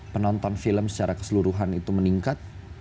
penonton film secara keseluruhan itu meningkat